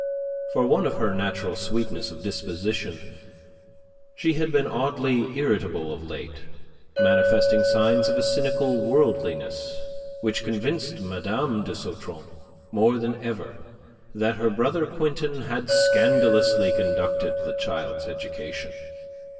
For one of her natural sweetness of disposition she had been oddly irritable of late, manifesting signs of a cynical worldliness, which convinced Mme. de Sautron more than ever that her brother Quintin had scandalously conducted the child's education.